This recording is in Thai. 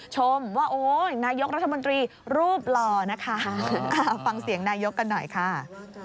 ชมว่าโอ๊ยนายกรัฐมนตรีรูปหล่อนะคะฟังเสียงนายกกันหน่อยค่ะ